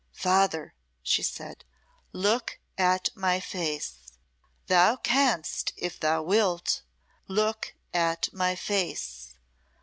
"Father," she said, "look at my face. Thou canst if thou wilt. Look at my face.